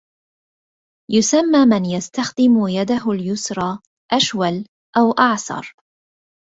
يسمى من يستخدم يده اليسرى أشول أو أعسر.